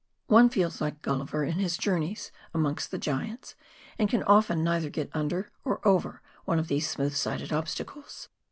One feels like Gulliver in his journeys amongst the giants, and can often neither get xmder or over one of these smooth sided obstacles.